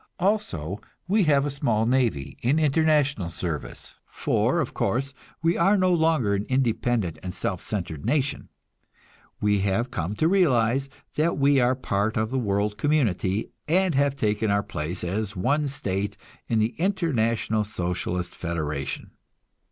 Also, we have a small navy in international service; for, of course, we are no longer an independent and self centered nation; we have come to realize that we are part of the world community, and have taken our place as one state in the International Socialist Federation.